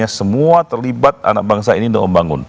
semua terlibat anak bangsa ini untuk membangun